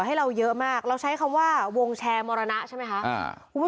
ให้เราเยอะมากเราใช้คำว่าวงแชร์มรณะใช่ไหมคะ